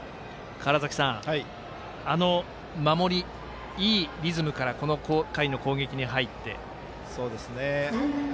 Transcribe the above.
あの守り、いいリズムからこの回の攻撃に入って。